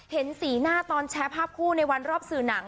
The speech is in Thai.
เห็นสีหน้าตอนแชร์ภาพคู่ในวันรอบสื่อหนัง